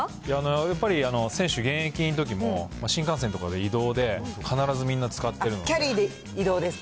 やっぱり選手、現役のときも、新幹線とかで移動で、必ずみんキャリーで移動ですか？